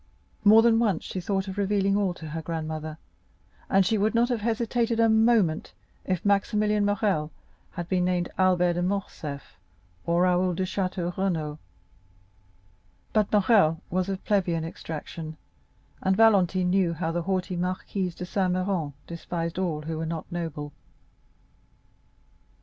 More than once she thought of revealing all to her grandmother, and she would not have hesitated a moment, if Maximilian Morrel had been named Albert de Morcerf or Raoul de Château Renaud; but Morrel was of plebeian extraction, and Valentine knew how the haughty Marquise de Saint Méran despised all who were not noble.